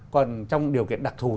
còn trong điều kiện đặc thủ